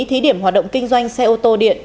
thí điểm hoạt động kinh doanh xe ô tô điện